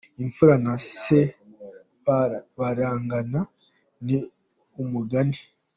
'Imfura na se barangana' ni umugani .